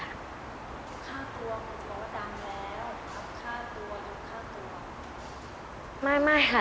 ค่าตัวเพราะว่าดังแล้วอับค่าตัวยกค่าตัว